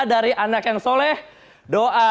dari anak yang soleh doa